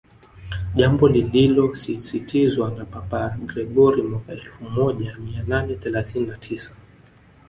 jambo lililosisitizwa na Papa Gregori mwaka elfu moja mia nane thelathini na tisa